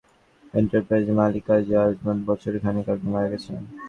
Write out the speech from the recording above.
ঠিকাদারি প্রতিষ্ঠান মেসার্স সালমা এন্টারপ্রাইজের মালিক কাজী আজমত বছর খানেক আগে মারা গেছেন।